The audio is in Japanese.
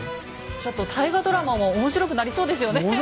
ちょっと大河ドラマも面白くなりそうですよね。